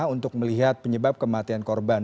untuk melihat penyebab kematian korban